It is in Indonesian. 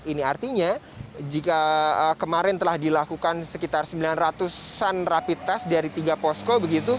ini artinya jika kemarin telah dilakukan sekitar sembilan ratus an rapi tes dari tiga posko